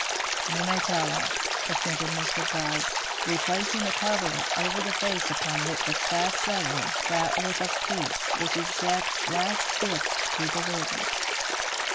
"You may tell us," assented Mr. Gryce, replacing the coverlet over the face upon which was fast settling that look of peace which is Death's last gift to the living.